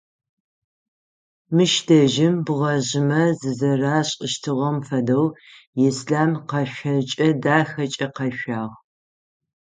Мыщ дэжьым бгъэжъымэ зызэрашӏыщтыгъэм фэдэу Ислъам къэшъокӏэ дахэкӏэ къэшъуагъ.